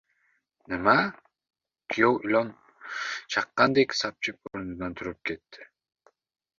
— Nima? — Kuyov ilon chaqqandek sapchib o‘rnidan turib ketdi.